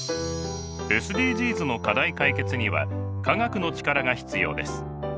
ＳＤＧｓの課題解決には科学の力が必要です。